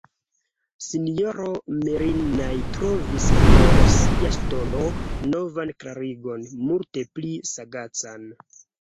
S-ro Merinai trovis por sia ŝtono novan klarigon, multe pli sagacan.